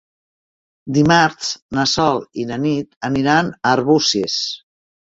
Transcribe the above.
Dimarts na Sol i na Nit aniran a Arbúcies.